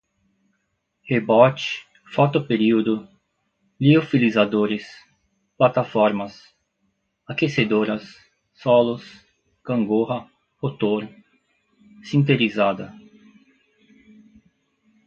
rebote, foto-período, liofilizadores, plataformas, aquecedoras, solos, gangorra, rotor, sinterizada